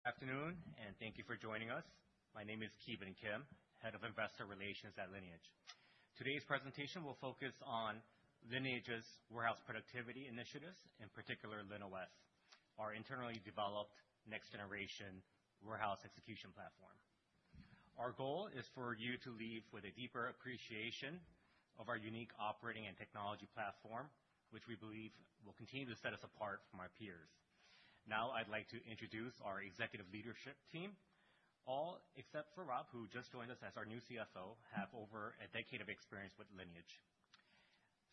Good afternoon, and thank you for joining us. My name is Ki Bin Kim, Head of Investor Relations at Lineage. Today's presentation will focus on Lineage's warehouse productivity initiatives, in particular, LinOS, our internally developed next-generation warehouse execution platform. Our goal is for you to leave with a deeper appreciation of our unique operating and technology platform, which we believe will continue to set us apart from our peers. Now, I'd like to introduce our executive leadership team. All, except for Rob, who just joined us as our new CFO, have over a decade of experience with Lineage.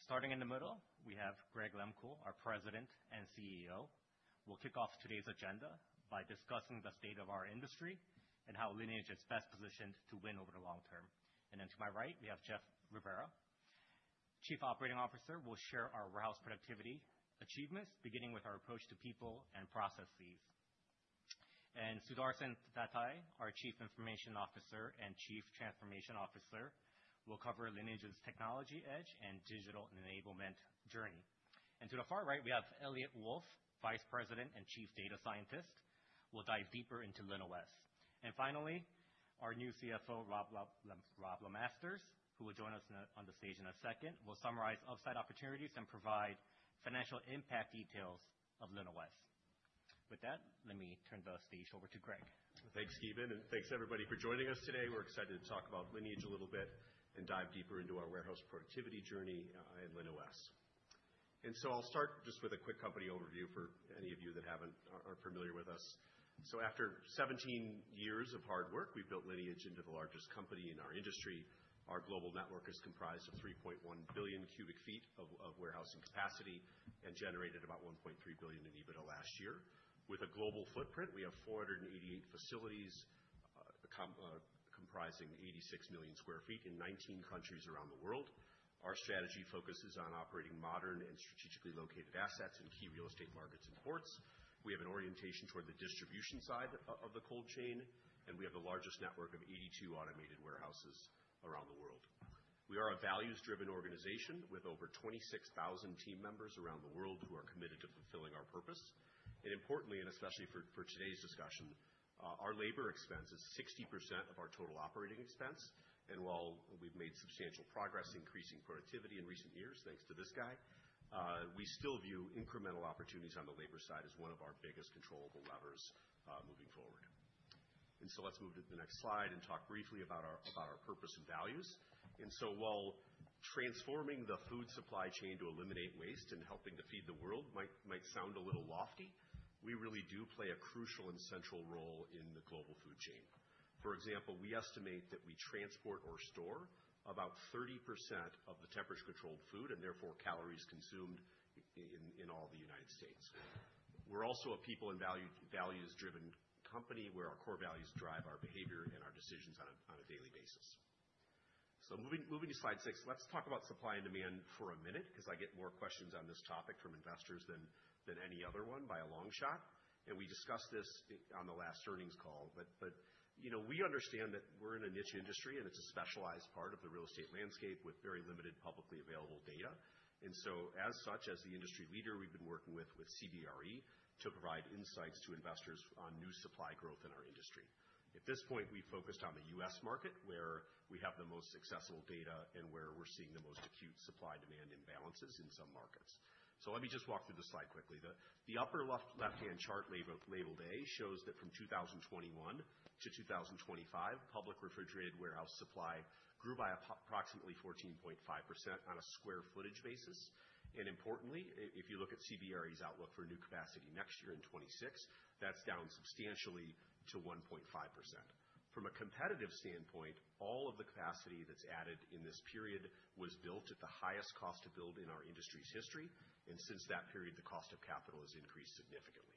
Starting in the middle, we have Greg Lehmkuhl, our President and CEO. We'll kick off today's agenda by discussing the state of our industry and how Lineage is best positioned to win over the long term, and then to my right, we have Jeff Rivera, Chief Operating Officer. We'll share our warehouse productivity achievements, beginning with our approach to people and processes. And Sudarshan Thattai, our Chief Information Officer and Chief Transformation Officer, will cover Lineage's technology edge and digital enablement journey. And to the far right, we have Elliot Wolf, Vice President and Chief Data Scientist. We'll dive deeper into LinOS. And finally, our new CFO, Robb LeMasters, who will join us on the stage in a second, will summarize upside opportunities and provide financial impact details of LinOS. With that, let me turn the stage over to Greg. Thanks, Ki Bin, and thanks, everybody, for joining us today. We're excited to talk about Lineage a little bit and dive deeper into our warehouse productivity journey and LinOS, and so I'll start just with a quick company overview for any of you that aren't familiar with us, so after 17 years of hard work, we've built Lineage into the largest company in our industry. Our global network is comprised of 3.1 billion cubic feet of warehousing capacity and generated about $1.3 billion in EBITDA last year. With a global footprint, we have 488 facilities comprising 86 million sq ft in 19 countries around the world. Our strategy focuses on operating modern and strategically located assets in key real estate markets and ports. We have an orientation toward the distribution side of the cold chain, and we have the largest network of 82 automated warehouses around the world. We are a values-driven organization with over 26,000 team members around the world who are committed to fulfilling our purpose. Importantly, and especially for today's discussion, our labor expense is 60% of our total operating expense. While we've made substantial progress increasing productivity in recent years, thanks to this guy, we still view incremental opportunities on the labor side as one of our biggest controllable levers moving forward. Let's move to the next slide and talk briefly about our purpose and values. While transforming the food supply chain to eliminate waste and helping to feed the world might sound a little lofty, we really do play a crucial and central role in the global food chain. For example, we estimate that we transport or store about 30% of the temperature-controlled food and therefore calories consumed in all the United States. We're also a people and values-driven company where our core values drive our behavior and our decisions on a daily basis. So moving to slide six, let's talk about supply and demand for a minute, because I get more questions on this topic from investors than any other one by a long shot. And we discussed this on the last earnings call. But we understand that we're in a niche industry, and it's a specialized part of the real estate landscape with very limited publicly available data. And so as such, as the industry leader we've been working with CBRE to provide insights to investors on new supply growth in our industry. At this point, we focused on the U.S. market, where we have the most accessible data and where we're seeing the most acute supply-demand imbalances in some markets. So let me just walk through the slide quickly. The upper left-hand chart labeled A shows that from 2021 to 2025, public refrigerated warehouse supply grew by approximately 14.5% on a square footage basis, and importantly, if you look at CBRE's outlook for new capacity next year in 2026, that's down substantially to 1.5%. From a competitive standpoint, all of the capacity that's added in this period was built at the highest cost-to-build in our industry's history, and since that period, the cost of capital has increased significantly.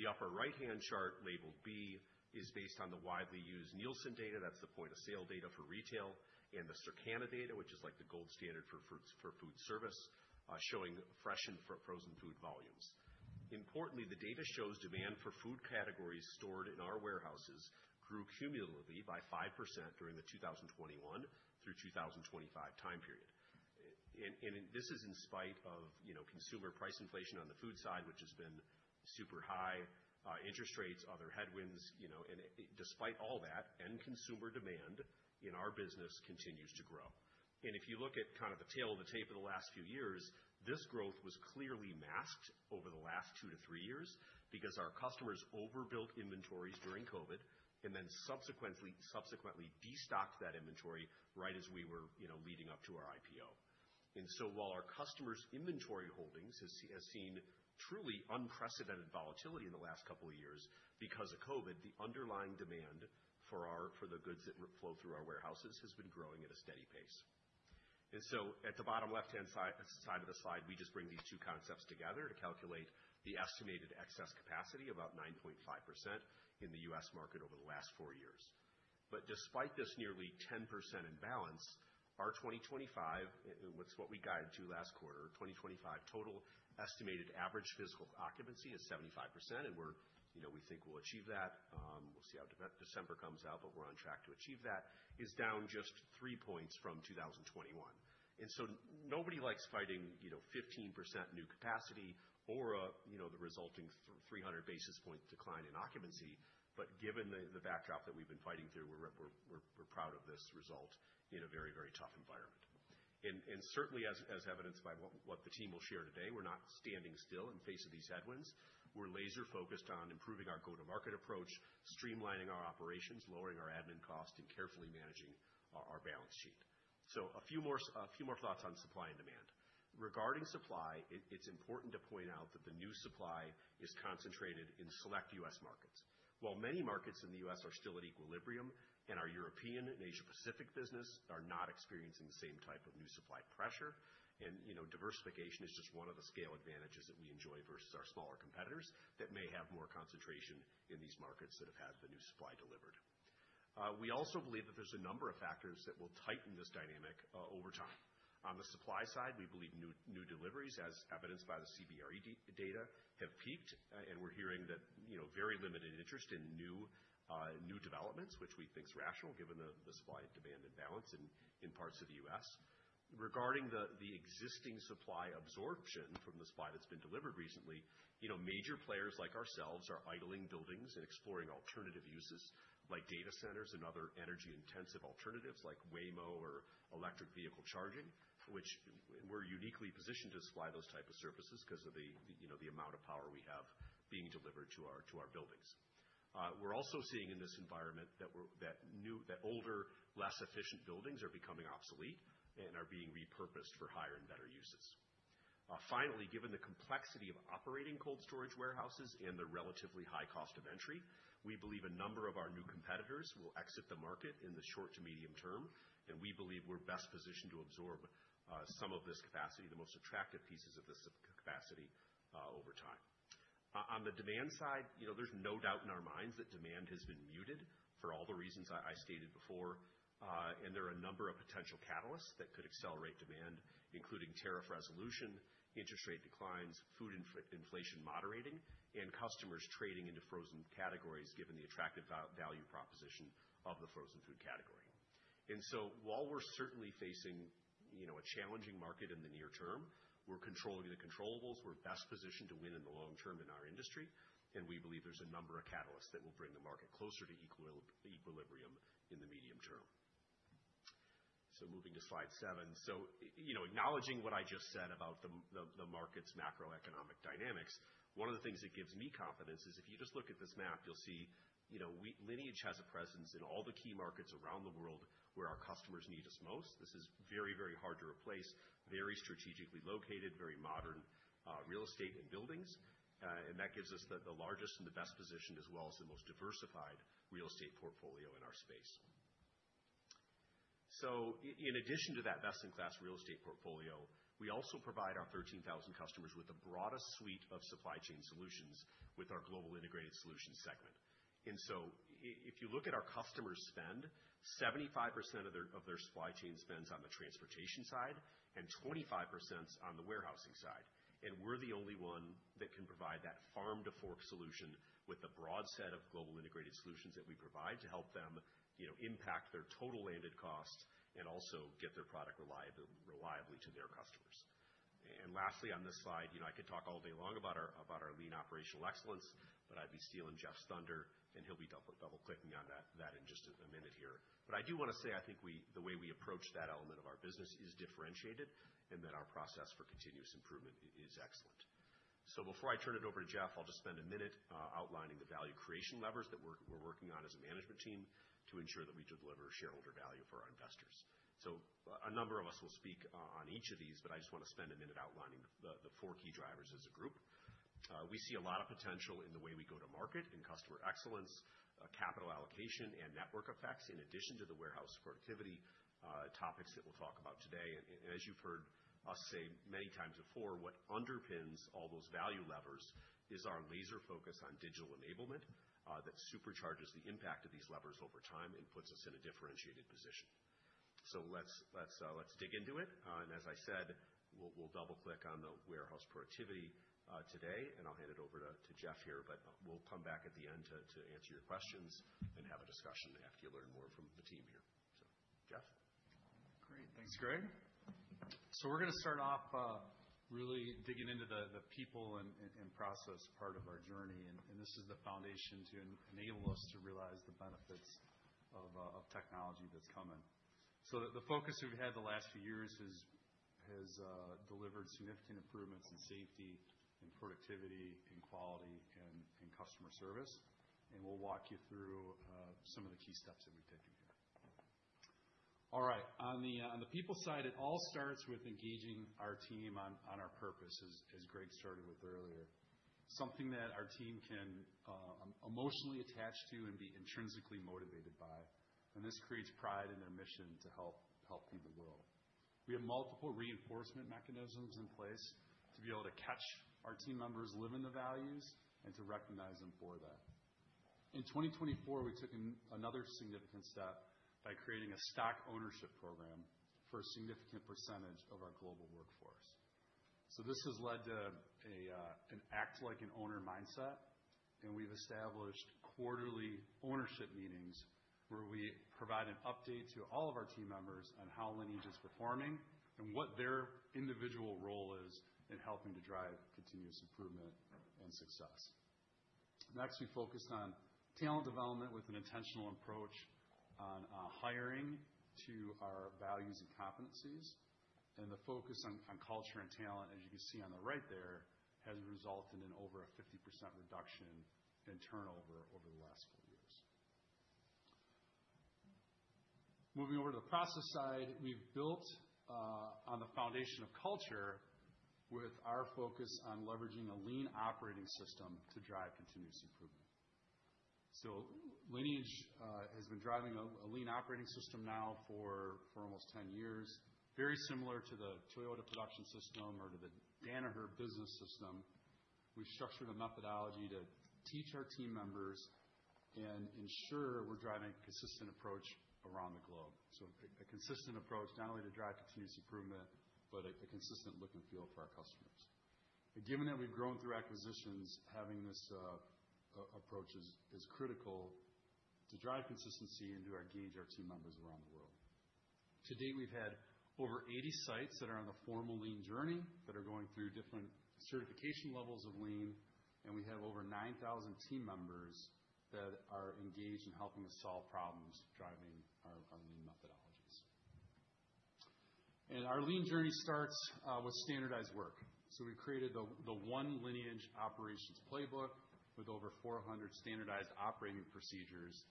The upper right-hand chart labeled B is based on the widely used Nielsen data, that's the point-of-sale data for retail, and the Circana data, which is like the gold standard for food service, showing fresh and frozen food volumes. Importantly, the data shows demand for food categories stored in our warehouses grew cumulatively by 5% during the 2021 through 2025 time period. And this is in spite of consumer price inflation on the food side, which has been super high, interest rates, other headwinds. And despite all that, end consumer demand in our business continues to grow. And if you look at kind of the tail of the tape of the last few years, this growth was clearly masked over the last two to three years because our customers overbuilt inventories during COVID and then subsequently destocked that inventory right as we were leading up to our IPO. And so while our customers' inventory holdings have seen truly unprecedented volatility in the last couple of years because of COVID, the underlying demand for the goods that flow through our warehouses has been growing at a steady pace. So at the bottom left-hand side of the slide, we just bring these two concepts together to calculate the estimated excess capacity, about 9.5%, in the U.S. market over the last four years. But despite this nearly 10% imbalance, our 2025, and that's what we got into last quarter, 2025 total estimated average physical occupancy is 75%, and we think we'll achieve that. We'll see how December comes out, but we're on track to achieve that, is down just three points from 2021. And so nobody likes fighting 15% new capacity or the resulting 300 basis point decline in occupancy. But given the backdrop that we've been fighting through, we're proud of this result in a very, very tough environment. And certainly, as evidenced by what the team will share today, we're not standing still in the face of these headwinds. We're laser-focused on improving our go-to-market approach, streamlining our operations, lowering our admin costs, and carefully managing our balance sheet. So a few more thoughts on supply and demand. Regarding supply, it's important to point out that the new supply is concentrated in select U.S. markets. While many markets in the U.S. are still at equilibrium and our European and Asia-Pacific business are not experiencing the same type of new supply pressure, and diversification is just one of the scale advantages that we enjoy versus our smaller competitors that may have more concentration in these markets that have had the new supply delivered. We also believe that there's a number of factors that will tighten this dynamic over time. On the supply side, we believe new deliveries, as evidenced by the CBRE data, have peaked, and we're hearing that very limited interest in new developments, which we think is rational given the supply and demand imbalance in parts of the U.S. Regarding the existing supply absorption from the supply that's been delivered recently, major players like ourselves are idling buildings and exploring alternative uses like data centers and other energy-intensive alternatives like Waymo or electric vehicle charging, which we're uniquely positioned to supply those types of services because of the amount of power we have being delivered to our buildings. We're also seeing in this environment that older, less efficient buildings are becoming obsolete and are being repurposed for higher and better uses. Finally, given the complexity of operating cold storage warehouses and the relatively high cost of entry, we believe a number of our new competitors will exit the market in the short to medium term, and we believe we're best positioned to absorb some of this capacity, the most attractive pieces of this capacity over time. On the demand side, there's no doubt in our minds that demand has been muted for all the reasons I stated before, and there are a number of potential catalysts that could accelerate demand, including tariff resolution, interest rate declines, food inflation moderating, and customers trading into frozen categories given the attractive value proposition of the frozen food category. And so while we're certainly facing a challenging market in the near term, we're controlling the controllables, we're best positioned to win in the long term in our industry, and we believe there's a number of catalysts that will bring the market closer to equilibrium in the medium term. So moving to slide seven. So acknowledging what I just said about the market's macroeconomic dynamics, one of the things that gives me confidence is if you just look at this map, you'll see Lineage has a presence in all the key markets around the world where our customers need us most. This is very, very hard to replace, very strategically located, very modern real estate and buildings, and that gives us the largest and the best position, as well as the most diversified real estate portfolio in our space. So in addition to that best-in-class real estate portfolio, we also provide our 13,000 customers with the broadest suite of supply chain solutions with our Global Integrated Solutions segment. And so if you look at our customer spend, 75% of their supply chain spends on the transportation side and 25% on the warehousing side. And we're the only one that can provide that farm-to-fork solution with the broad set of Global Integrated Solutions that we provide to help them impact their total landed costs and also get their product reliably to their customers. And lastly, on this slide, I could talk all day long about our lean operational excellence, but I'd be stealing Jeff's thunder, and he'll be double-clicking on that in just a minute here. But I do want to say I think the way we approach that element of our business is differentiated and that our process for continuous improvement is excellent. So before I turn it over to Jeff, I'll just spend a minute outlining the value creation levers that we're working on as a management team to ensure that we deliver shareholder value for our investors. So a number of us will speak on each of these, but I just want to spend a minute outlining the four key drivers as a group. We see a lot of potential in the way we go to market and customer excellence, capital allocation, and network effects in addition to the warehouse productivity topics that we'll talk about today. And as you've heard us say many times before, what underpins all those value levers is our laser focus on digital enablement that supercharges the impact of these levers over time and puts us in a differentiated position. So let's dig into it. And as I said, we'll double-click on the warehouse productivity today, and I'll hand it over to Jeff here, but we'll come back at the end to answer your questions and have a discussion after you learn more from the team here. So Jeff. Great. Thanks, Greg. So we're going to start off really digging into the people and process part of our journey. And this is the foundation to enable us to realize the benefits of technology that's coming. So the focus we've had the last few years has delivered significant improvements in safety and productivity and quality and customer service. And we'll walk you through some of the key steps that we've taken here. All right. On the people side, it all starts with engaging our team on our purpose, as Greg started with earlier. Something that our team can emotionally attach to and be intrinsically motivated by. And this creates pride in their mission to help feed the world. We have multiple reinforcement mechanisms in place to be able to catch our team members living the values and to recognize them for that. In 2024, we took another significant step by creating a stock ownership program for a significant percentage of our global workforce. So this has led to an act-like-and-owner mindset, and we've established quarterly ownership meetings where we provide an update to all of our team members on how Lineage is performing and what their individual role is in helping to drive continuous improvement and success. Next, we focused on talent development with an intentional approach on hiring to our values and competencies. And the focus on culture and talent, as you can see on the right there, has resulted in over a 50% reduction in turnover over the last four years. Moving over to the process side, we've built on the foundation of culture with our focus on leveraging a lean operating system to drive continuous improvement. Lineage has been driving a lean operating system now for almost 10 years. Very similar to the Toyota Production System or to the Danaher Business System, we've structured a methodology to teach our team members and ensure we're driving a consistent approach around the globe. So a consistent approach, not only to drive continuous improvement, but a consistent look and feel for our customers. Given that we've grown through acquisitions, having this approach is critical to drive consistency and to engage our team members around the world. To date, we've had over 80 sites that are on the formal lean journey that are going through different certification levels of lean, and we have over 9,000 team members that are engaged in helping us solve problems driving our lean methodologies. And our lean journey starts with standardized work. So we've created the Lineage operations playbook with over 400 standardized operating procedures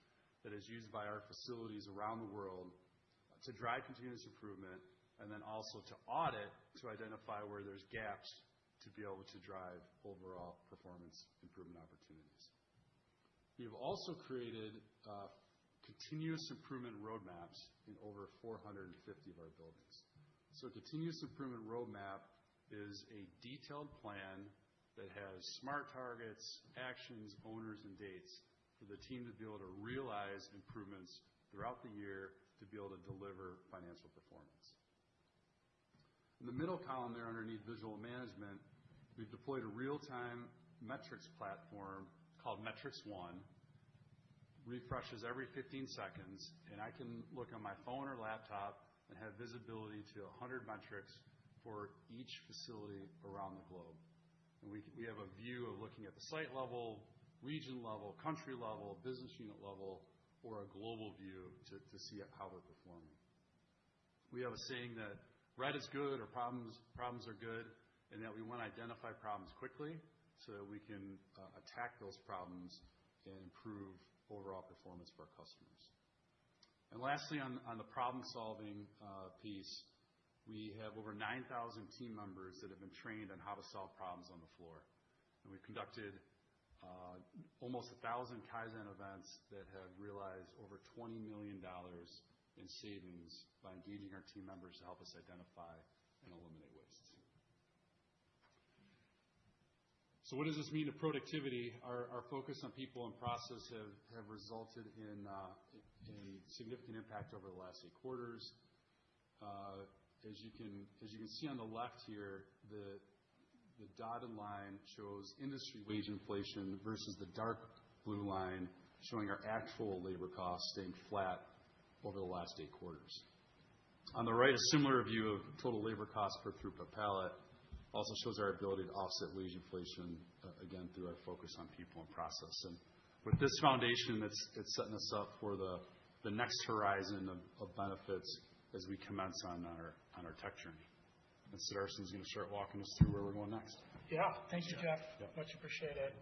that is used by our facilities around the world to drive continuous improvement and then also to audit to identify where there's gaps to be able to drive overall performance improvement opportunities. We have also created continuous improvement roadmaps in over 450 of our buildings. So a continuous improvement roadmap is a detailed plan that has smart targets, actions, owners, and dates for the team to be able to realize improvements throughout the year to be able to deliver financial performance. In the middle column there underneath visual management, we've deployed a real-time metrics platform called MetricsOne. Refreshes every 15 seconds, and I can look on my phone or laptop and have visibility to 100 metrics for each facility around the globe. We have a view of looking at the site level, region level, country level, business unit level, or a global view to see how we're performing. We have a saying that red is good or problems are good, and that we want to identify problems quickly so that we can attack those problems and improve overall performance for our customers. Lastly, on the problem-solving piece, we have over 9,000 team members that have been trained on how to solve problems on the floor. We've conducted almost 1,000 Kaizen events that have realized over $20 million in savings by engaging our team members to help us identify and eliminate waste. What does this mean to productivity? Our focus on people and process have resulted in significant impact over the last eight quarters. As you can see on the left here, the dotted line shows industry wage inflation versus the dark blue line showing our actual labor costs staying flat over the last eight quarters. On the right, a similar view of total labor costs per throughput per pallet also shows our ability to offset wage inflation again through our focus on people and process. And with this foundation, it's setting us up for the next horizon of benefits as we commence on our tech journey. And so Sudarshan is going to start walking us through where we're going next. Yeah. Thank you, Jeff. Much appreciated.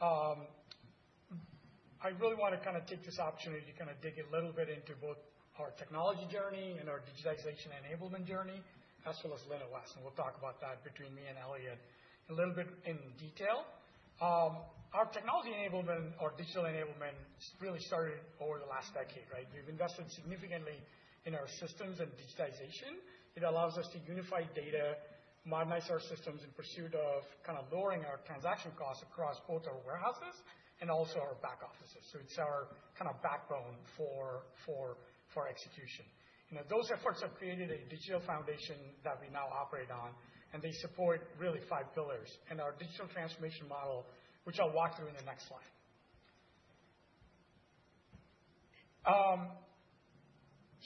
I really want to kind of take this opportunity to kind of dig a little bit into both our technology journey and our digitization enablement journey, as well as LinOS. And we'll talk about that between me and Elliot a little bit in detail. Our technology enablement, our digital enablement really started over the last decade, right? We've invested significantly in our systems and digitization. It allows us to unify data, modernize our systems in pursuit of kind of lowering our transaction costs across both our warehouses and also our back offices, so it's our kind of backbone for execution. Those efforts have created a digital foundation that we now operate on, and they support really five pillars in our digital transformation model, which I'll walk through in the next slide.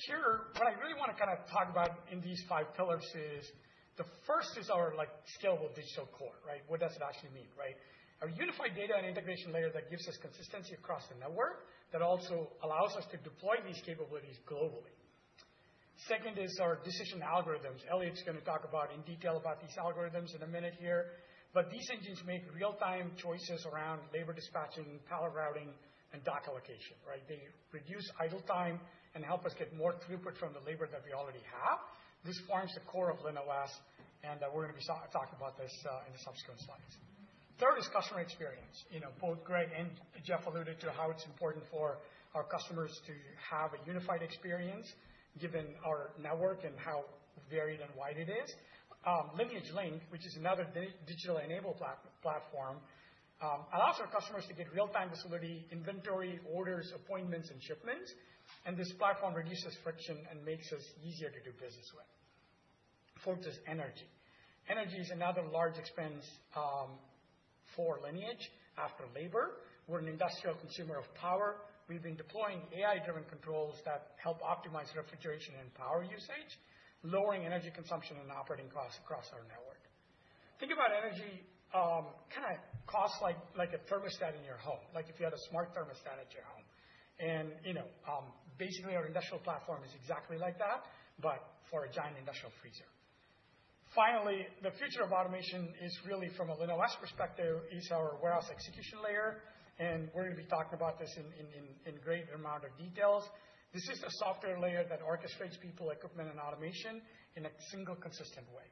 Here, what I really want to kind of talk about in these five pillars is the first is our scalable digital core, right? What does it actually mean, right? Our unified data and integration layer that gives us consistency across the network that also allows us to deploy these capabilities globally. Second is our decision algorithms. Elliot's going to talk about in detail about these algorithms in a minute here. But these engines make real-time choices around labor dispatching, pallet routing, and dock allocation, right? They reduce idle time and help us get more throughput from the labor that we already have. This forms the core of LinOS, and we're going to be talking about this in the subsequent slides. Third is customer experience. Both Greg and Jeff alluded to how it's important for our customers to have a unified experience given our network and how varied and wide it is. Lineage Link, which is another digital enabled platform, allows our customers to get real-time facility, inventory, orders, appointments, and shipments. And this platform reduces friction and makes us easier to do business with. Fourth is energy. Energy is another large expense for Lineage after labor. We're an industrial consumer of power. We've been deploying AI-driven controls that help optimize refrigeration and power usage, lowering energy consumption and operating costs across our network. Think about energy kind of costs like a thermostat in your home, like if you had a smart thermostat at your home. And basically, our industrial platform is exactly like that, but for a giant industrial freezer. Finally, the future of automation is really, from a LinOS perspective, is our warehouse execution layer. We're going to be talking about this in great amount of details. This is the software layer that orchestrates people, equipment, and automation in a single consistent way.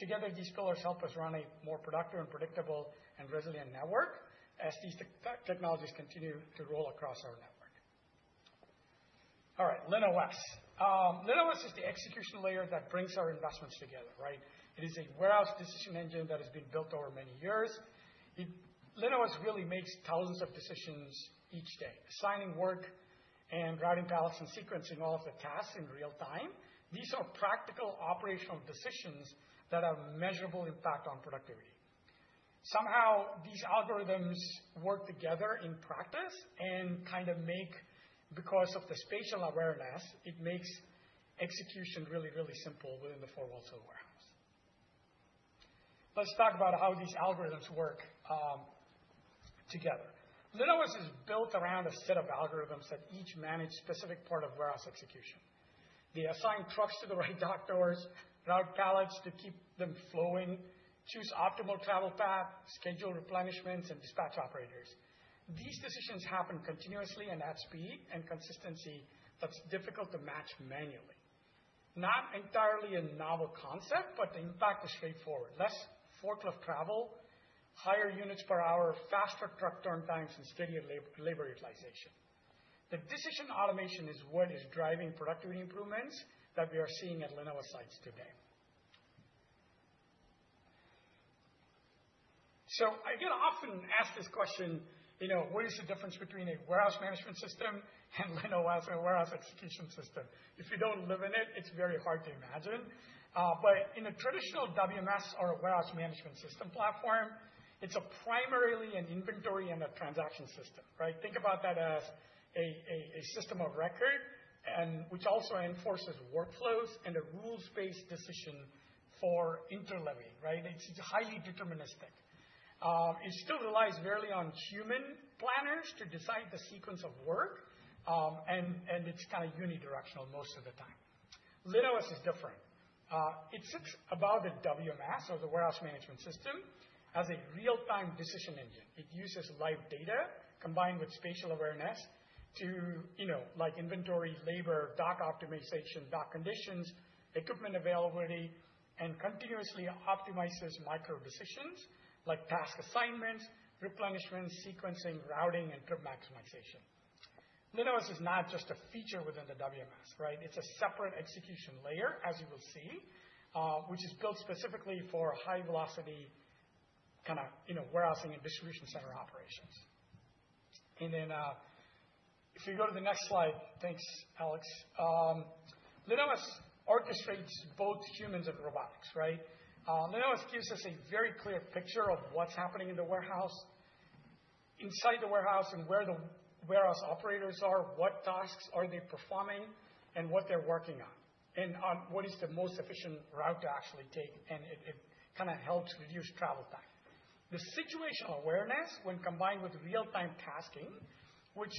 Together, these pillars help us run a more productive and predictable and resilient network as these technologies continue to roll across our network. All right, LinOS. LinOS is the execution layer that brings our investments together, right? It is a warehouse decision engine that has been built over many years. LinOS really makes thousands of decisions each day, assigning work and routing pallets and sequencing all of the tasks in real time. These are practical operational decisions that have a measurable impact on productivity. Somehow, these algorithms work together in practice and kind of make, because of the spatial awareness, it makes execution really, really simple within the four walls of the warehouse. Let's talk about how these algorithms work together. LinOS is built around a set of algorithms that each manage specific part of warehouse execution. They assign trucks to the right dock doors, route pallets to keep them flowing, choose optimal travel path, schedule replenishments, and dispatch operators. These decisions happen continuously and at speed and consistency that's difficult to match manually. Not entirely a novel concept, but the impact is straightforward. Less forklift travel, higher units per hour, faster truck turn times, and steadier labor utilization. The decision automation is what is driving productivity improvements that we are seeing at LinOS sites today. So I get often asked this question, what is the difference between a warehouse management system and LinOS or warehouse execution system? If you don't live in it, it's very hard to imagine. But in a traditional WMS or a warehouse management system platform, it's primarily an inventory and a transaction system, right? Think about that as a system of record, which also enforces workflows and a rules-based decision for interleaving, right? It's highly deterministic. It still relies merely on human planners to decide the sequence of work, and it's kind of unidirectional most of the time. LinOS is different. It sits above the WMS or the warehouse management system as a real-time decision engine. It uses live data combined with spatial awareness to inventory, labor, dock optimization, dock conditions, equipment availability, and continuously optimizes micro decisions like task assignments, replenishments, sequencing, routing, and trip maximization. LinOS is not just a feature within the WMS, right? It's a separate execution layer, as you will see, which is built specifically for high-velocity kind of warehousing and distribution center operations, and then if we go to the next slide, thanks, Alex. LinOS orchestrates both humans and robotics, right? LinOS gives us a very clear picture of what's happening in the warehouse, inside the warehouse, and where the warehouse operators are, what tasks are they performing, and what they're working on, and on what is the most efficient route to actually take, and it kind of helps reduce travel time. The situational awareness, when combined with real-time tasking, which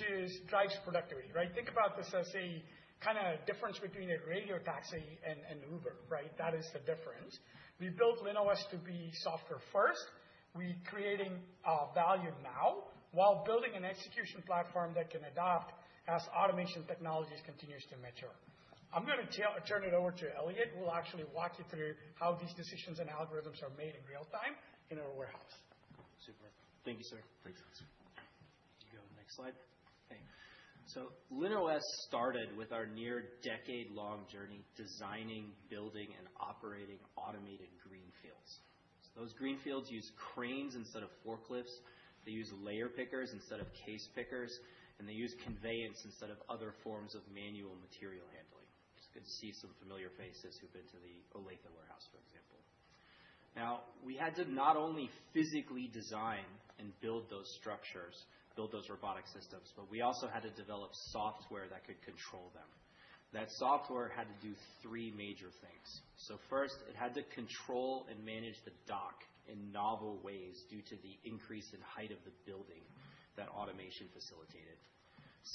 drives productivity, right? Think about this as a kind of difference between a radio taxi and Uber, right? That is the difference. We built LinOS to be software first. We're creating value now while building an execution platform that can adapt as automation technology continues to mature. I'm going to turn it over to Elliot. We'll actually walk you through how these decisions and algorithms are made in real time in our warehouse. Super. Thank you, sir. Thanks, Alex. You go to the next slide. Okay. LinOS started with our near decade-long journey designing, building, and operating automated greenfields. Those greenfields use cranes instead of forklifts. They use layer pickers instead of case pickers, and they use conveyance instead of other forms of manual material handling. It's good to see some familiar faces who've been to the Olathe warehouse, for example. Now, we had to not only physically design and build those structures, build those robotic systems, but we also had to develop software that could control them. That software had to do three major things. First, it had to control and manage the dock in novel ways due to the increase in height of the building that automation facilitated.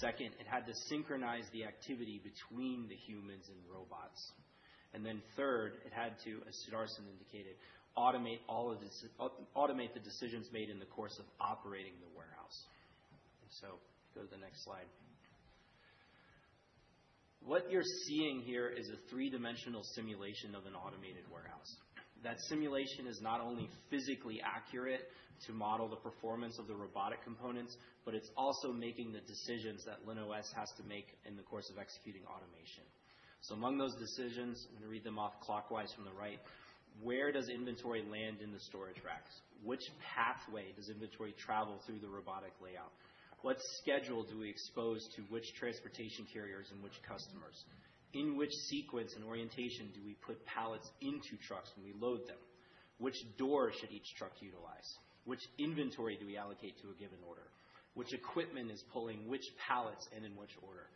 Second, it had to synchronize the activity between the humans and robots. And then third, it had to, as Sudarshan indicated, automate the decisions made in the course of operating the warehouse. And so go to the next slide. What you're seeing here is a three-dimensional simulation of an automated warehouse. That simulation is not only physically accurate to model the performance of the robotic components, but it's also making the decisions that LinOS has to make in the course of executing automation. So among those decisions, I'm going to read them off clockwise from the right. Where does inventory land in the storage racks? Which pathway does inventory travel through the robotic layout? What schedule do we expose to which transportation carriers and which customers? In which sequence and orientation do we put pallets into trucks when we load them? Which door should each truck utilize? Which inventory do we allocate to a given order? Which equipment is pulling which pallets and in which order?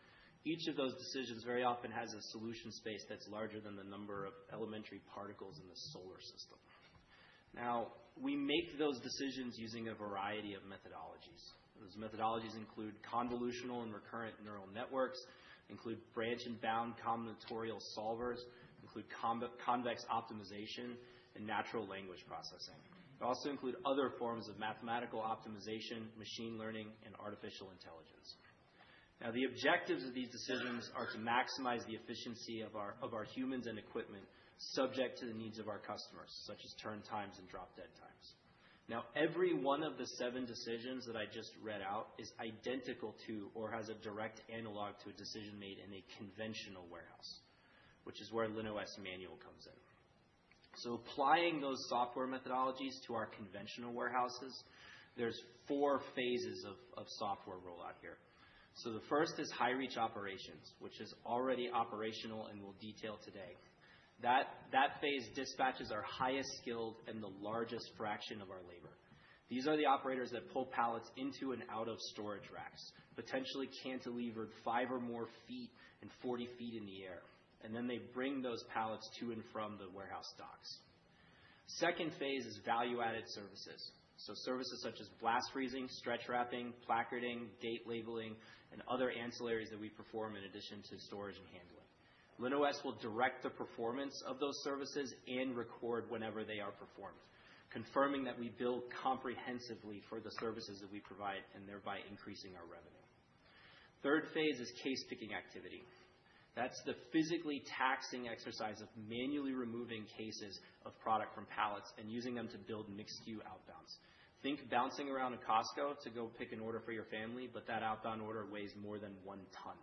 Each of those decisions very often has a solution space that's larger than the number of elementary particles in the solar system. Now, we make those decisions using a variety of methodologies. Those methodologies include convolutional and recurrent neural networks, include branch-and-bound combinatorial solvers, include convex optimization, and natural language processing. They also include other forms of mathematical optimization, machine learning, and artificial intelligence. Now, the objectives of these decisions are to maximize the efficiency of our humans and equipment subject to the needs of our customers, such as turn times and drop-dead times. Now, every one of the seven decisions that I just read out is identical to or has a direct analog to a decision made in a conventional warehouse, which is where LinOS Manual comes in. Applying those software methodologies to our conventional warehouses, there's four phases of software rollout here. The first is high-reach operations, which is already operational and we'll detail today. That phase dispatches our highest skilled and the largest fraction of our labor. These are the operators that pull pallets into and out of storage racks, potentially cantilevered five or more feet and 40 feet in the air. Then they bring those pallets to and from the warehouse docks. Second phase is value-added services. Services such as blast freezing, stretch wrapping, placarding, date labeling, and other ancillaries that we perform in addition to storage and handling. LinOS will direct the performance of those services and record whenever they are performed, confirming that we build comprehensively for the services that we provide and thereby increasing our revenue. Third phase is case picking activity. That's the physically taxing exercise of manually removing cases of product from pallets and using them to build mixed-SKU outbounds. Think bouncing around at Costco to go pick an order for your family, but that outbound order weighs more than one ton.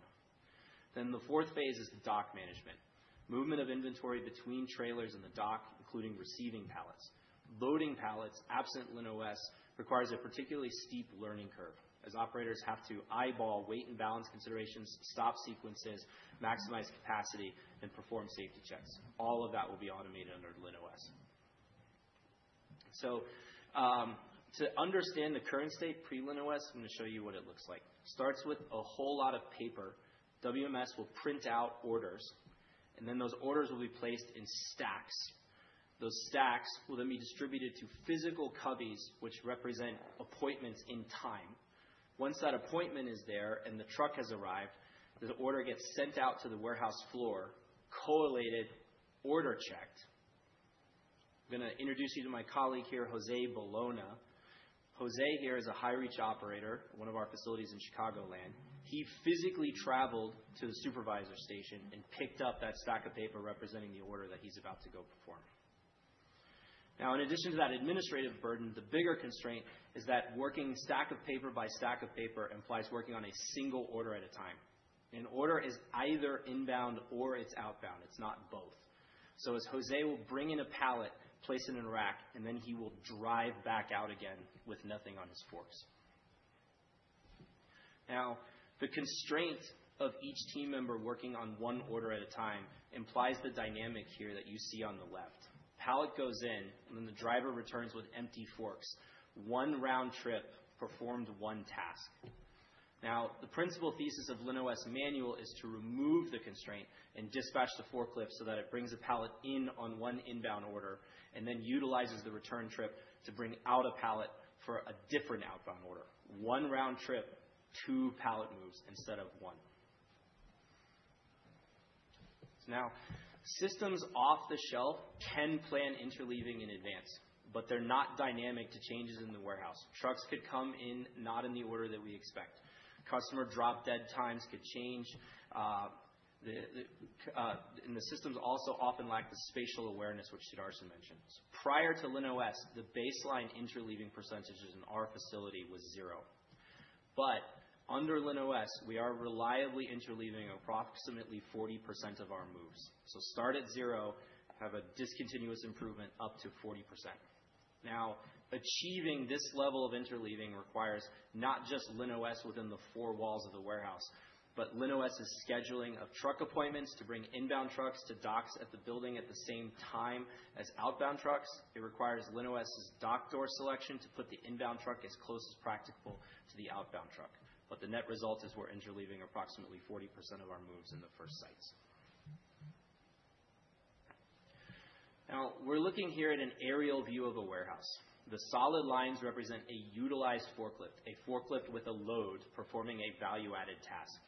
Then the fourth phase is dock management. Movement of inventory between trailers and the dock, including receiving pallets. Loading pallets absent LinOS requires a particularly steep learning curve as operators have to eyeball weight and balance considerations, stop sequences, maximize capacity, and perform safety checks. All of that will be automated under LinOS. So to understand the current state pre-LinOS, I'm going to show you what it looks like. It starts with a whole lot of paper. WMS will print out orders, and then those orders will be placed in stacks. Those stacks will then be distributed to physical cubbies, which represent appointments in time. Once that appointment is there and the truck has arrived, the order gets sent out to the warehouse floor, correlated, order checked. I'm going to introduce you to my colleague here, José Boloña. José here is a high-reach operator, one of our facilities in Chicagoland. He physically traveled to the supervisor station and picked up that stack of paper representing the order that he's about to go perform. Now, in addition to that administrative burden, the bigger constraint is that working stack of paper by stack of paper implies working on a single order at a time. An order is either inbound or it's outbound. It's not both. So as José will bring in a pallet, place it in a rack, and then he will drive back out again with nothing on his forks. Now, the constraint of each team member working on one order at a time implies the dynamic here that you see on the left. Pallet goes in, and then the driver returns with empty forks. One round trip performed one task. Now, the principal thesis of LinOS Manual is to remove the constraint and dispatch the forklift so that it brings a pallet in on one inbound order and then utilizes the return trip to bring out a pallet for a different outbound order. One round trip, two pallet moves instead of one. Now, systems off the shelf can plan interleaving in advance, but they're not dynamic to changes in the warehouse. Trucks could come in not in the order that we expect. Customer drop-dead times could change, and the systems also often lack the spatial awareness, which Sudarshan mentioned. Prior to LinOS, the baseline interleaving percentage in our facility was zero. But under LinOS, we are reliably interleaving approximately 40% of our moves. So start at zero, have a discontinuous improvement up to 40%. Now, achieving this level of interleaving requires not just LinOS within the four walls of the warehouse, but LinOS scheduling of truck appointments to bring inbound trucks to docks at the building at the same time as outbound trucks. It requires LinOS dock door selection to put the inbound truck as close as practicable to the outbound truck. But the net result is we're interleaving approximately 40% of our moves in the first sites. Now, we're looking here at an aerial view of a warehouse. The solid lines represent a utilized forklift, a forklift with a load performing a value-added task.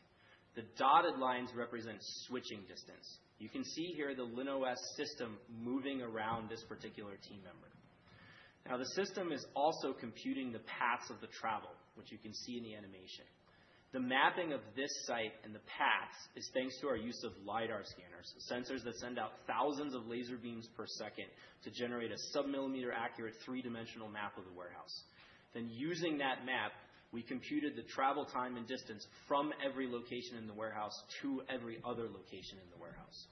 The dotted lines represent switching distance. You can see here the LinOS system moving around this particular team member. Now, the system is also computing the paths of the travel, which you can see in the animation. The mapping of this site and the paths is thanks to our use of LiDAR scanners, sensors that send out thousands of laser beams per second to generate a sub-millimeter accurate three-dimensional map of the warehouse. Then using that map, we computed the travel time and distance from every location in the warehouse to every other location in the warehouse.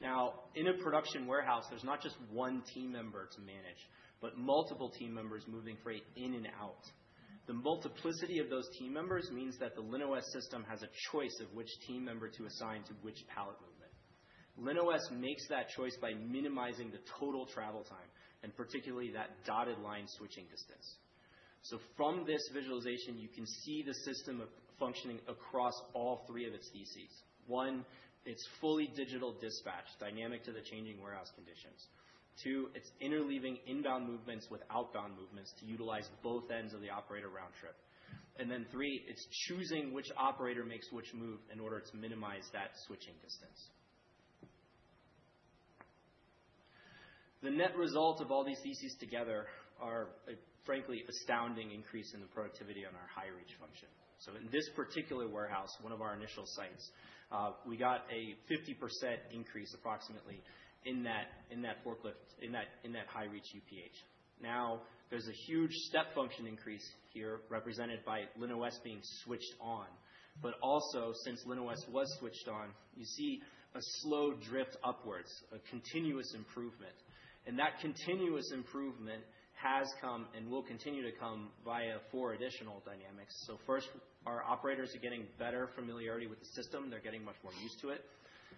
Now, in a production warehouse, there's not just one team member to manage, but multiple team members moving freight in and out. The multiplicity of those team members means that the LinOS system has a choice of which team member to assign to which pallet movement. LinOS makes that choice by minimizing the total travel time and particularly that dotted line switching distance. So from this visualization, you can see the system functioning across all three of its DCs. One, it's fully digital dispatch, dynamic to the changing warehouse conditions. Two, it's interleaving inbound movements with outbound movements to utilize both ends of the operator round trip. And then three, it's choosing which operator makes which move in order to minimize that switching distance. The net result of all these DCs together are a frankly astounding increase in the productivity on our high-reach function. So in this particular warehouse, one of our initial sites, we got a 50% increase approximately in that forklift, in that high-reach UPH. Now, there's a huge step function increase here represented by LinOS being switched on. But also, since LinOS was switched on, you see a slow drift upwards, a continuous improvement. And that continuous improvement has come and will continue to come via four additional dynamics. So first, our operators are getting better familiarity with the system. They're getting much more used to it.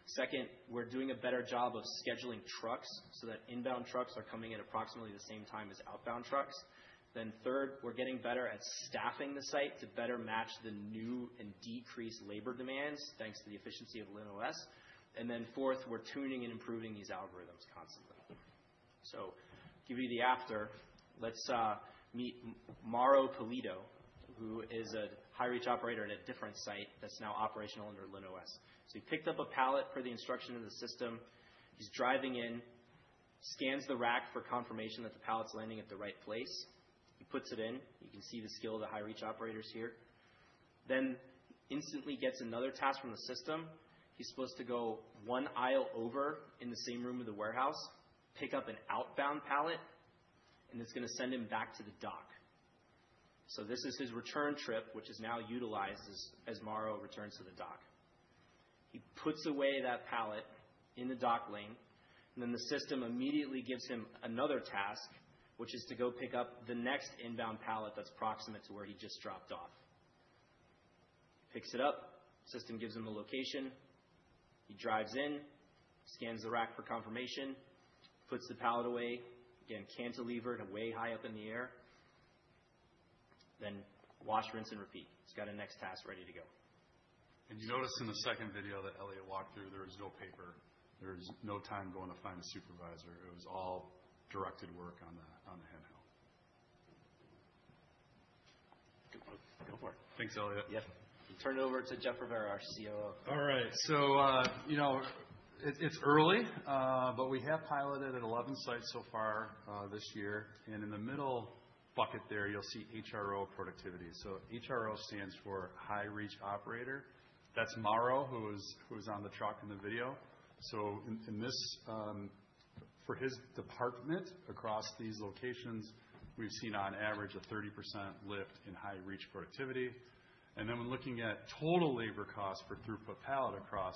Second, we're doing a better job of scheduling trucks so that inbound trucks are coming in approximately the same time as outbound trucks. Then third, we're getting better at staffing the site to better match the new and decreased labor demands thanks to the efficiency of LinOS. And then fourth, we're tuning and improving these algorithms constantly. So to give you the after, let's meet Mauro Pulido, who is a high-reach operator at a different site that's now operational under LinOS. So he picked up a pallet per the instruction of the system. He's driving in, scans the rack for confirmation that the pallet's landing at the right place. He puts it in. You can see the skill of the high-reach operators here. Then instantly gets another task from the system. He's supposed to go one aisle over in the same room of the warehouse, pick up an outbound pallet, and it's going to send him back to the dock. So this is his return trip, which is now utilized as Mauro returns to the dock. He puts away that pallet in the dock lane, and then the system immediately gives him another task, which is to go pick up the next inbound pallet that's proximate to where he just dropped off. Picks it up, system gives him the location. He drives in, scans the rack for confirmation, puts the pallet away, again, cantilevered way high up in the air, then wash, rinse, and repeat. He's got a next task ready to go. You notice in the second video that Elliot walked through, there was no paper. There was no time going to find a supervisor. It was all directed work on the handheld. Go for it. Thanks, Elliot. Yep. We'll turn it over to Jeff Rivera, our COO. All right, so it's early, but we have piloted at 11 sites so far this year, and in the middle bucket there, you'll see HRO productivity, so HRO stands for High-Reach Operator. That's Mauro, who's on the truck in the video, so for his department across these locations, we've seen on average a 30% lift in high-reach productivity, and then when looking at total labor cost for throughput pallet across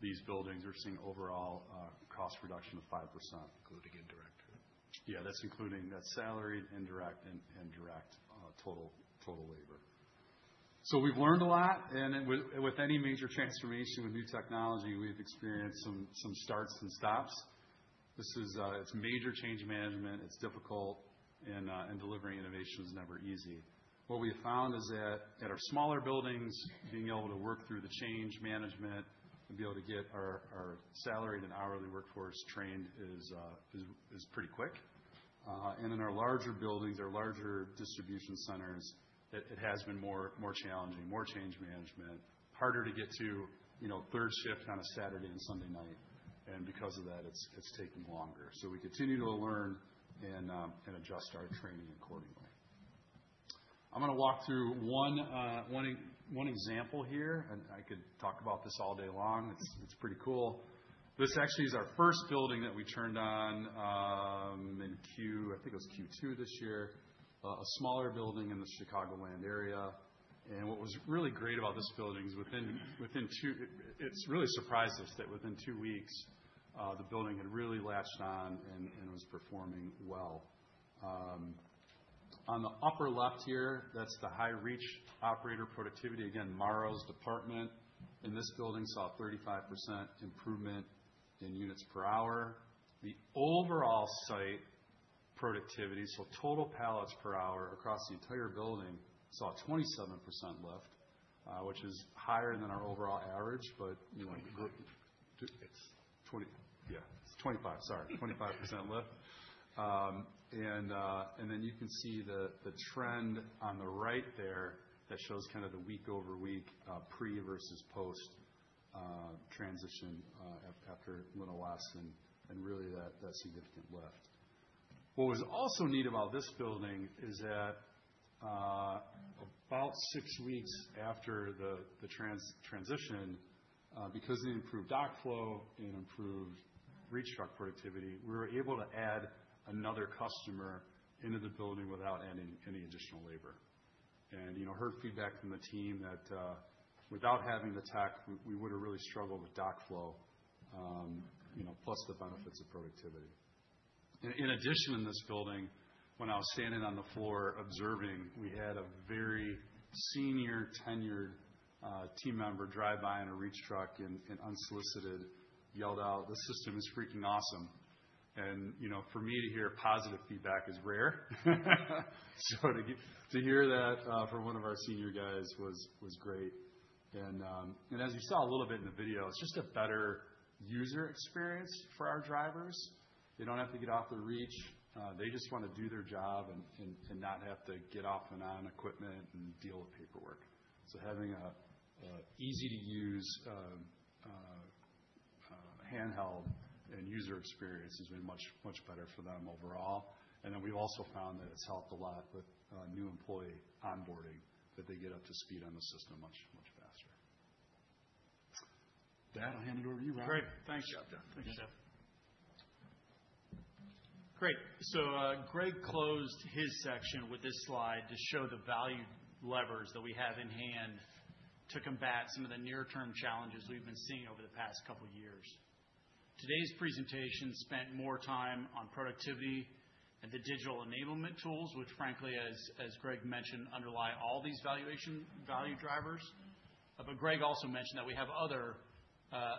these buildings, we're seeing overall cost reduction of 5%. Including indirect. Yeah, that's including that salaried, indirect, and direct total labor, so we've learned a lot, and with any major transformation with new technology, we've experienced some starts and stops. It's major change management. It's difficult, and delivering innovation is never easy. What we have found is that at our smaller buildings, being able to work through the change management and be able to get our salaried and hourly workforce trained is pretty quick, and in our larger buildings, our larger distribution centers, it has been more challenging, more change management, harder to get to third shift on a Saturday and Sunday night, and because of that, it's taken longer, so we continue to learn and adjust our training accordingly. I'm going to walk through one example here, and I could talk about this all day long. It's pretty cool. This actually is our first building that we turned on in Q, I think it was Q2 this year, a smaller building in the Chicagoland area. What was really great about this building is within two weeks, it's really surprised us that within two weeks, the building had really latched on and was performing well. On the upper left here, that's the high-reach operator productivity. Again, Mauro's department in this building saw a 35% improvement in units per hour. The overall site productivity, so total pallets per hour across the entire building, saw a 27% lift, which is higher than our overall average, but it's 20. Yeah, It's 25, sorry, 25% lift. Then you can see the trend on the right there that shows kind of the week-over-week pre-versus-post transition after LinOS and really that significant lift. What was also neat about this building is that about six weeks after the transition, because it improved dock flow and improved reach truck productivity, we were able to add another customer into the building without adding any additional labor, and I heard feedback from the team that without having the tech, we would have really struggled with dock flow, plus the benefits of productivity. In addition, in this building, when I was standing on the floor observing, we had a very senior tenured team member drive by in a reach truck and unsolicited yelled out, "This system is freaking awesome," and for me to hear positive feedback is rare, so to hear that from one of our senior guys was great, and as you saw a little bit in the video, it's just a better user experience for our drivers. They don't have to get off the reach. They just want to do their job and not have to get off and on equipment and deal with paperwork so having an easy-to-use handheld and user experience has been much better for them overall and then we've also found that it's helped a lot with new employee onboarding, that they get up to speed on the system much faster. Dad, I'll hand it over to you, Rob. Great. Thanks, Jeff. Job done. Thanks, Jeff. Great. So Greg closed his section with this slide to show the value levers that we have in hand to combat some of the near-term challenges we've been seeing over the past couple of years. Today's presentation spent more time on productivity and the digital enablement tools, which frankly, as Greg mentioned, underlie all these value drivers. But Greg also mentioned that we have other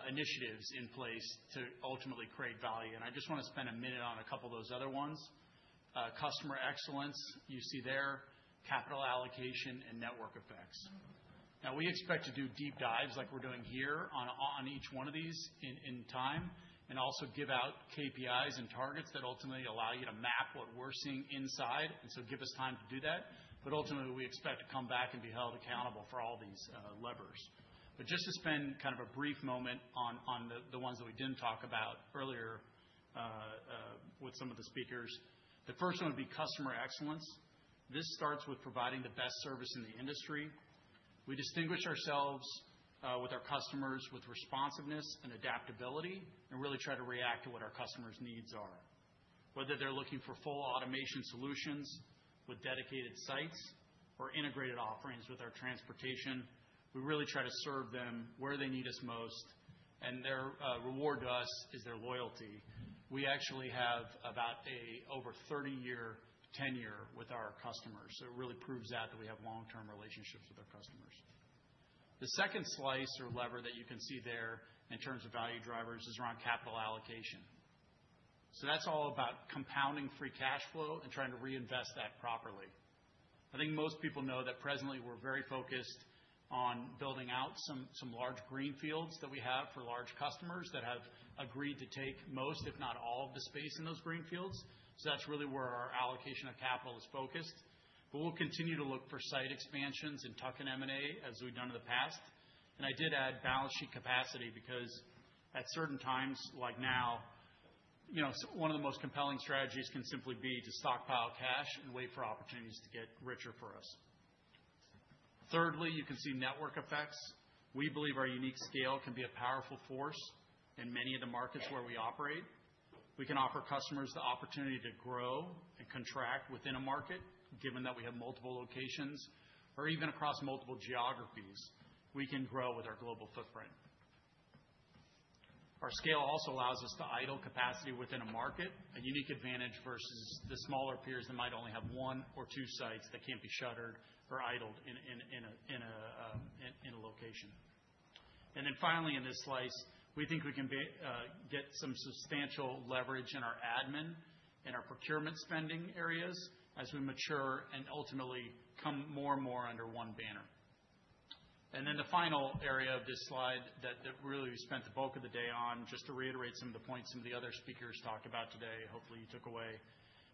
initiatives in place to ultimately create value. And I just want to spend a minute on a couple of those other ones. Customer excellence, you see there, capital allocation, and network effects. Now, we expect to do deep dives like we're doing here on each one of these in time and also give out KPIs and targets that ultimately allow you to map what we're seeing inside, and so give us time to do that. But ultimately, we expect to come back and be held accountable for all these levers. But just to spend kind of a brief moment on the ones that we didn't talk about earlier with some of the speakers, the first one would be customer excellence. This starts with providing the best service in the industry. We distinguish ourselves with our customers with responsiveness and adaptability and really try to react to what our customers' needs are. Whether they're looking for full automation solutions with dedicated sites or integrated offerings with our transportation, we really try to serve them where they need us most. And their reward to us is their loyalty. We actually have about an over 30-year tenure with our customers. So it really proves that we have long-term relationships with our customers. The second slice or lever that you can see there in terms of value drivers is around capital allocation. So that's all about compounding free cash flow and trying to reinvest that properly. I think most people know that presently we're very focused on building out some large greenfields that we have for large customers that have agreed to take most, if not all, of the space in those greenfields. So that's really where our allocation of capital is focused. But we'll continue to look for site expansions in tuck-ins and M&A as we've done in the past. And I did add balance sheet capacity because at certain times like now, one of the most compelling strategies can simply be to stockpile cash and wait for opportunities to get richer for us. Thirdly, you can see network effects. We believe our unique scale can be a powerful force in many of the markets where we operate. We can offer customers the opportunity to grow and contract within a market, given that we have multiple locations or even across multiple geographies. We can grow with our global footprint. Our scale also allows us to idle capacity within a market, a unique advantage versus the smaller peers that might only have one or two sites that can't be shuttered or idled in a location, and then finally, in this slice, we think we can get some substantial leverage in our admin and our procurement spending areas as we mature and ultimately come more and more under one banner. And then the final area of this slide that really we spent the bulk of the day on, just to reiterate some of the points some of the other speakers talked about today, hopefully you took away,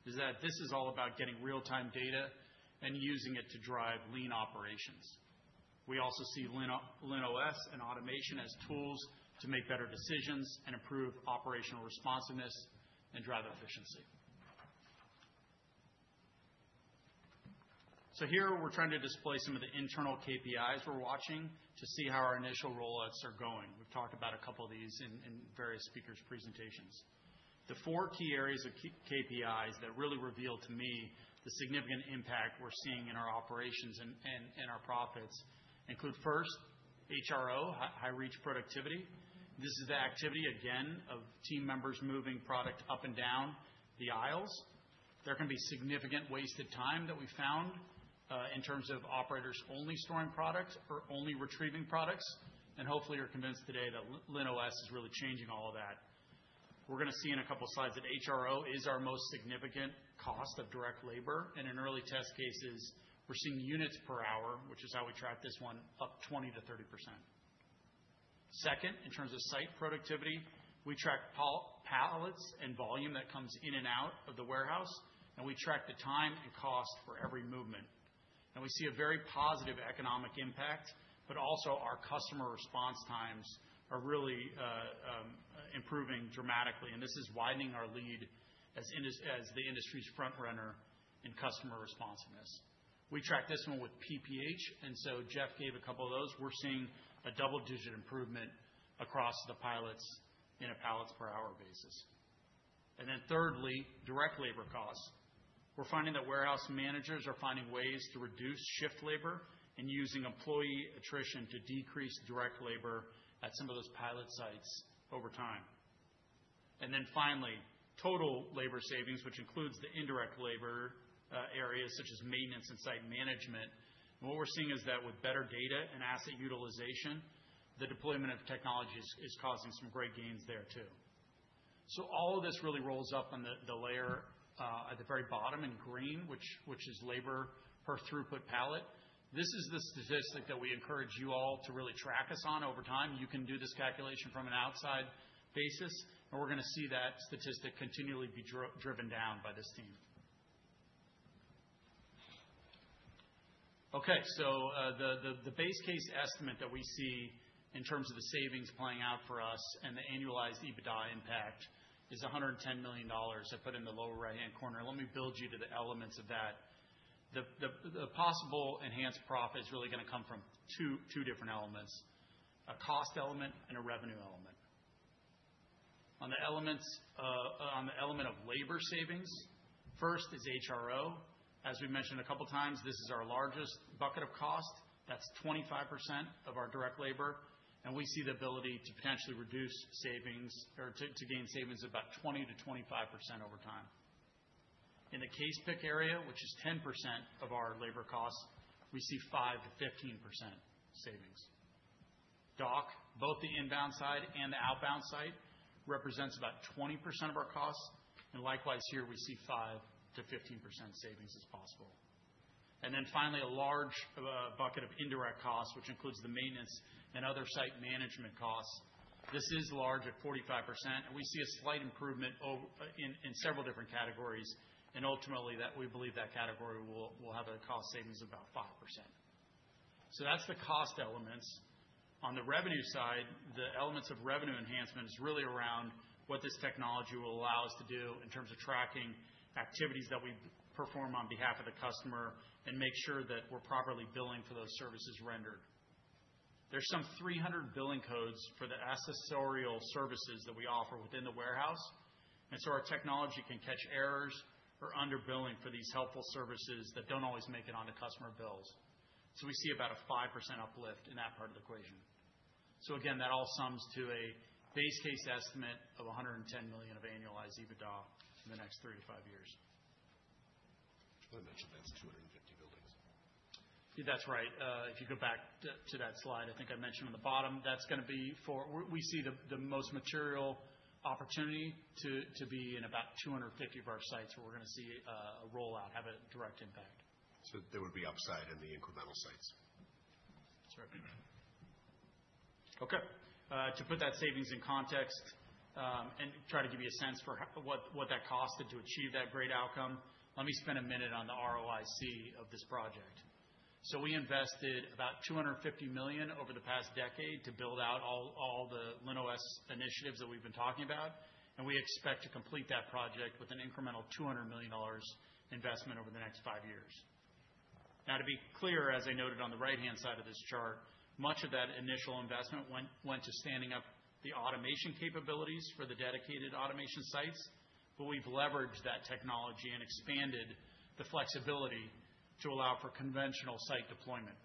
is that this is all about getting real-time data and using it to drive lean operations. We also see LinOS and automation as tools to make better decisions and improve operational responsiveness and drive efficiency. So here, we're trying to display some of the internal KPIs we're watching to see how our initial rollouts are going. We've talked about a couple of these in various speakers' presentations. The four key areas of KPIs that really reveal to me the significant impact we're seeing in our operations and our profits include first, HRO, High-Reach Productivity. This is the activity, again, of team members moving product up and down the aisles. There can be significant wasted time that we found in terms of operators only storing products or only retrieving products. And hopefully, you're convinced today that LinOS is really changing all of that. We're going to see in a couple of slides that HRO is our most significant cost of direct labor. And in early test cases, we're seeing units per hour, which is how we track this one, up 20% to 30%. Second, in terms of site productivity, we track pallets and volume that comes in and out of the warehouse, and we track the time and cost for every movement. And we see a very positive economic impact, but also our customer response times are really improving dramatically. And this is widening our lead as the industry's front runner in customer responsiveness. We track this one with PPH. And so Jeff gave a couple of those. We're seeing a double-digit improvement across the pilots in a pallets per hour basis. And then thirdly, direct labor costs. We're finding that warehouse managers are finding ways to reduce shift labor and using employee attrition to decrease direct labor at some of those pilot sites over time. And then finally, total labor savings, which includes the indirect labor areas such as maintenance and site management. And what we're seeing is that with better data and asset utilization, the deployment of technology is causing some great gains there too. So all of this really rolls up on the layer at the very bottom in green, which is labor per throughput pallet. This is the statistic that we encourage you all to really track us on over time. You can do this calculation from an outside basis, and we're going to see that statistic continually be driven down by this team. Okay. So the base case estimate that we see in terms of the savings playing out for us and the annualized EBITDA impact is $110 million, I put in the lower right-hand corner. Let me build you to the elements of that. The possible enhanced profit is really going to come from two different elements, a cost element and a revenue element. On the element of labor savings, first is HRO. As we mentioned a couple of times, this is our largest bucket of cost. That's 25% of our direct labor. And we see the ability to potentially reduce savings or to gain savings about 20% to 25% over time. In the case pick area, which is 10% of our labor costs, we see 5% to 15% savings. Dock, both the inbound side and the outbound side, represents about 20% of our costs. And likewise, here we see 5% to 15% savings as possible. Then finally, a large bucket of indirect costs, which includes the maintenance and other site management costs. This is large at 45%. We see a slight improvement in several different categories. Ultimately, we believe that category will have a cost savings of about 5%. That's the cost elements. On the revenue side, the elements of revenue enhancement is really around what this technology will allow us to do in terms of tracking activities that we perform on behalf of the customer and make sure that we're properly billing for those services rendered. There's some 300 billing codes for the accessorial services that we offer within the warehouse. So our technology can catch errors or underbilling for these helpful services that don't always make it onto customer bills. So we see about a 5% uplift in that part of the equation. So again, that all sums to a base case estimate of $110 million of annualized EBITDA in the next three to five years. I mentioned that's 250 buildings. That's right. If you go back to that slide, I think I mentioned on the bottom, that's going to be where we see the most material opportunity to be in about 250 of our sites where we're going to see a rollout have a direct impact. So there would be upside in the incremental sites. Certainly. Okay. To put that savings in context and try to give you a sense for what that costed to achieve that great outcome, let me spend a minute on the ROIC of this project. So we invested about $250 million over the past decade to build out all the LinOS initiatives that we've been talking about. And we expect to complete that project with an incremental $200 million investment over the next five years. Now, to be clear, as I noted on the right-hand side of this chart, much of that initial investment went to standing up the automation capabilities for the dedicated automation sites. But we've leveraged that technology and expanded the flexibility to allow for conventional site deployment.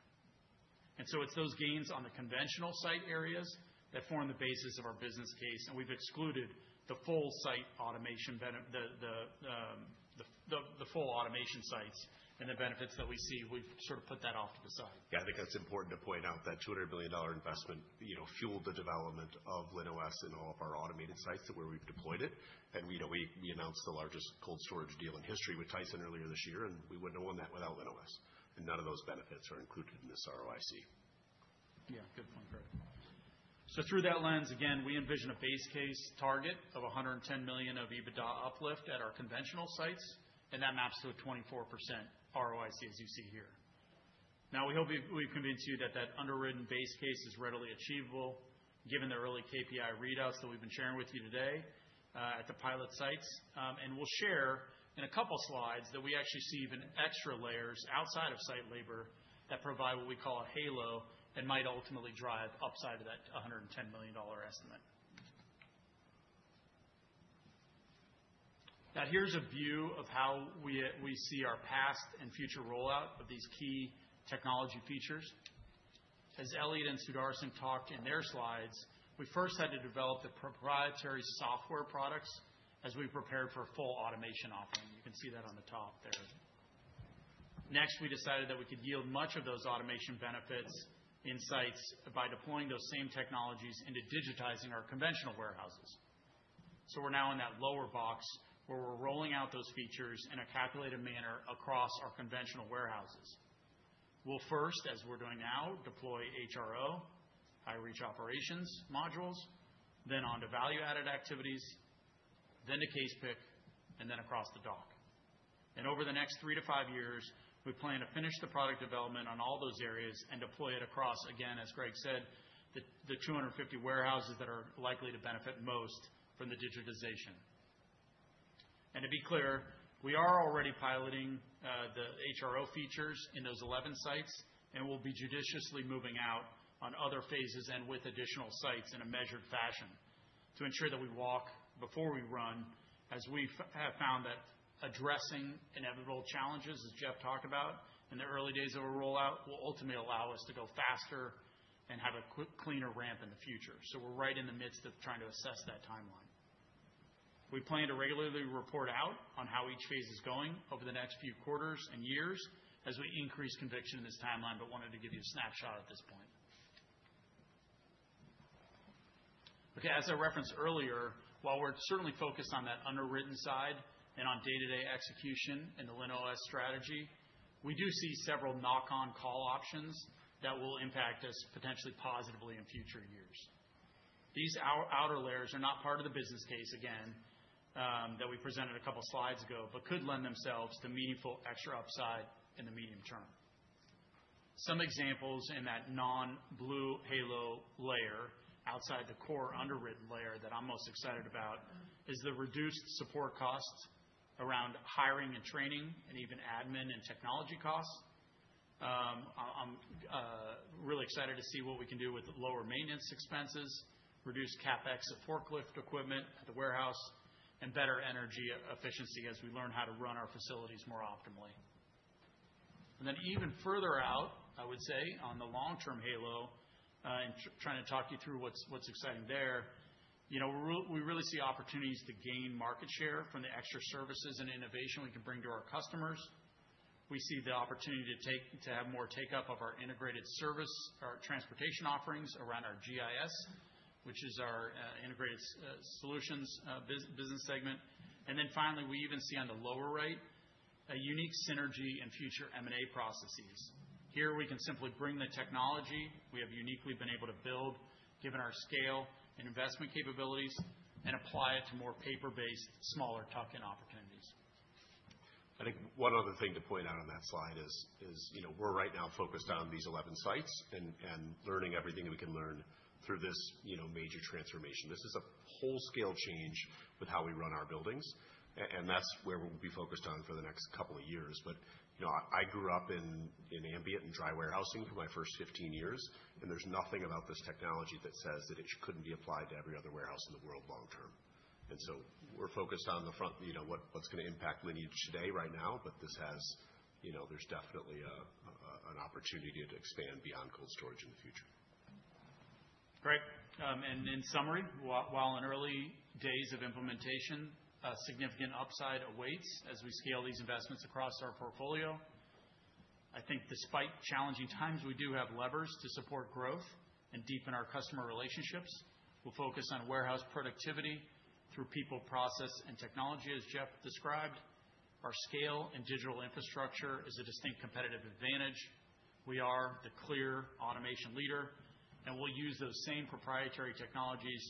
And so it's those gains on the conventional site areas that form the basis of our business case. And we've excluded the full site automation, the full automation sites and the benefits that we see. We've sort of put that off to the side. Yeah. I think that's important to point out that $200 million investment fueled the development of LinOS and all of our automated sites to where we've deployed it. And we announced the largest cold storage deal in history with Tyson earlier this year. And we wouldn't have won that without LinOS. And none of those benefits are included in this ROIC. Yeah. Good point, Greg. So through that lens, again, we envision a base case target of $110 million of EBITDA uplift at our conventional sites. And that maps to a 24% ROIC as you see here. Now, we hope we've convinced you that that underwritten base case is readily achievable given the early KPI readouts that we've been sharing with you today at the pilot sites. And we'll share in a couple of slides that we actually see even extra layers outside of site labor that provide what we call a halo and might ultimately drive upside of that $110 million estimate. Now, here's a view of how we see our past and future rollout of these key technology features. As Elliot and Sudarshan talked in their slides, we first had to develop the proprietary software products as we prepared for a full automation offering. You can see that on the top there. Next, we decided that we could yield much of those automation benefits in sites by deploying those same technologies into digitizing our conventional warehouses, so we're now in that lower box where we're rolling out those features in a calculated manner across our conventional warehouses. We'll first, as we're doing now, deploy HRO, High-Reach Operations modules, then on to value-added activities, then to case pick, and then across the dock, and over the next three to five years, we plan to finish the product development on all those areas and deploy it across, again, as Greg said, the 250 warehouses that are likely to benefit most from the digitization, and to be clear, we are already piloting the HRO features in those 11 sites. We'll be judiciously moving out on other phases and with additional sites in a measured fashion to ensure that we walk before we run as we have found that addressing inevitable challenges, as Jeff talked about in the early days of a rollout, will ultimately allow us to go faster and have a cleaner ramp in the future. So we're right in the midst of trying to assess that timeline. We plan to regularly report out on how each phase is going over the next few quarters and years as we increase conviction in this timeline, but wanted to give you a snapshot at this point. Okay. As I referenced earlier, while we're certainly focused on that underwritten side and on day-to-day execution in the LinOS strategy, we do see several knock-on call options that will impact us potentially positively in future years. These outer layers are not part of the business case, again, that we presented a couple of slides ago, but could lend themselves to meaningful extra upside in the medium term. Some examples in that non-blue halo layer outside the core underwritten layer that I'm most excited about is the reduced support costs around hiring and training and even admin and technology costs. I'm really excited to see what we can do with lower maintenance expenses, reduced CapEx of forklift equipment at the warehouse, and better energy efficiency as we learn how to run our facilities more optimally. And then even further out, I would say, on the long-term halo and trying to talk you through what's exciting there, we really see opportunities to gain market share from the extra services and innovation we can bring to our customers. We see the opportunity to have more take-up of our integrated service or transportation offerings around our GIS, which is our integrated solutions business segment, and then finally, we even see on the lower right a unique synergy in future M&A processes. Here, we can simply bring the technology we have uniquely been able to build, given our scale and investment capabilities, and apply it to more paper-based, smaller tuck-in opportunities. I think one other thing to point out on that slide is we're right now focused on these 11 sites and learning everything that we can learn through this major transformation. This is a wholescale change with how we run our buildings. And that's where we'll be focused on for the next couple of years. But I grew up in ambient and dry warehousing for my first 15 years. And there's nothing about this technology that says that it couldn't be applied to every other warehouse in the world long-term. And so we're focused on the front, what's going to impact Lineage today, right now, but this has there's definitely an opportunity to expand beyond cold storage in the future. Great. In summary, while in early days of implementation, a significant upside awaits as we scale these investments across our portfolio. I think despite challenging times, we do have levers to support growth and deepen our customer relationships. We'll focus on warehouse productivity through people, process, and technology, as Jeff described. Our scale and digital infrastructure is a distinct competitive advantage. We are the clear automation leader. We'll use those same proprietary technologies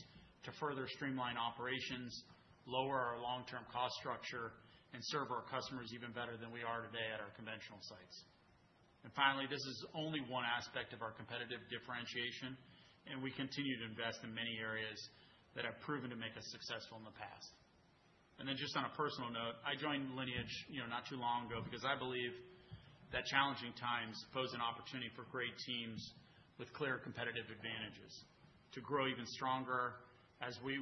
to further streamline operations, lower our long-term cost structure, and serve our customers even better than we are today at our conventional sites. Finally, this is only one aspect of our competitive differentiation. We continue to invest in many areas that have proven to make us successful in the past. And then just on a personal note, I joined Lineage not too long ago because I believe that challenging times pose an opportunity for great teams with clear competitive advantages to grow even stronger as we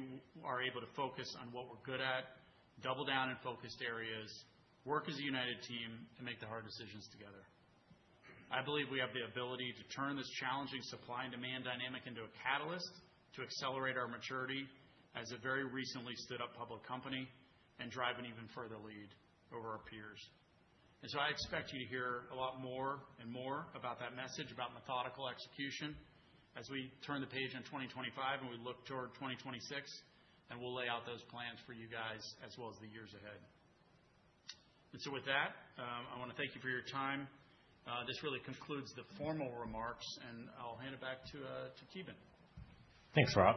are able to focus on what we're good at, double down in focused areas, work as a united team, and make the hard decisions together. I believe we have the ability to turn this challenging supply and demand dynamic into a catalyst to accelerate our maturity as a very recently stood-up public company and drive an even further lead over our peers. And so I expect you to hear a lot more and more about that message about methodical execution as we turn the page in 2025 and we look toward 2026. And we'll lay out those plans for you guys as well as the years ahead. And so with that, I want to thank you for your time. This really concludes the formal remarks. And I'll hand it back to Kevin. Thanks, Rob.